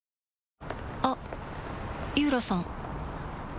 あっ井浦さん